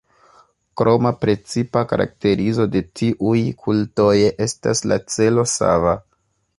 Kroma precipa karakterizo de tiuj kultoj estas la celo sava.